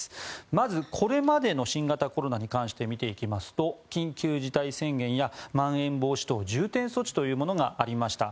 まずこれまでの新型コロナに関して見ていきますと緊急事態宣言やまん延防止等重点措置というものがありました。